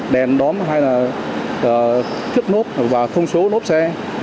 đèn đóm hay là thước nốt và thông số nốt xe